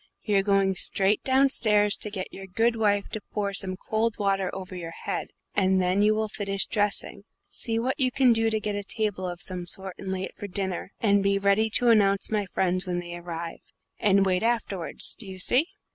You're going straight downstairs to get your good wife to pour some cold water over your head; and then you will finish dressing, see what you can do to get a table of some sort and lay it for dinner, and be ready to announce my friends when they arrive, and wait afterwards. Do you see?"